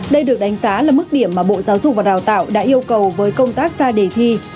đây được đánh giá là mức điểm mà bộ giáo dục và đào tạo đã yêu cầu với công tác ra đề thi